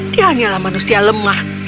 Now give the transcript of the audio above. dia hanyalah manusia lemah